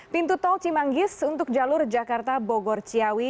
pintu tol cimanggis untuk jalur jakarta bogor ciawi